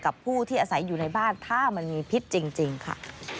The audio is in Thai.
ผู้ที่อาศัยอยู่ในบ้านถ้ามันมีพิษจริงค่ะ